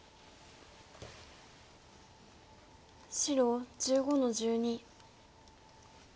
白１５の十二。